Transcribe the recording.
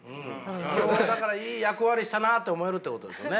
今日はだからいい役割したなって思えるってことですね。